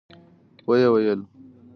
و يې ويل.